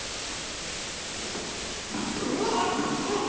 うわあっ！